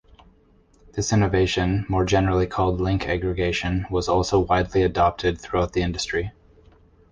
This innovation, more generally called link aggregation, was also widely adopted throughout the industry.